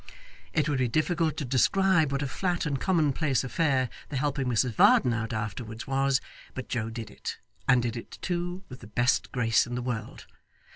It would be difficult to describe what a flat and commonplace affair the helping Mrs Varden out afterwards was, but Joe did it, and did it too with the best grace in the world.